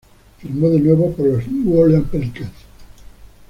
Firmó de nuevo por los New Orleans Pelicans.